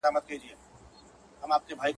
بابا مه گوره، خورجين ئې گوره.